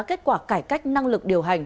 kết quả cải cách năng lực điều hành